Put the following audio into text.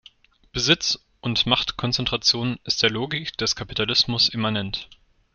Besitzund Machtkonzentration ist der Logik des Kapitalismus immanent.